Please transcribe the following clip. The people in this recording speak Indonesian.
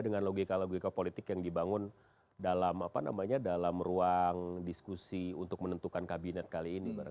dengan logika logika politik yang dibangun dalam ruang diskusi untuk menentukan kabinet kali ini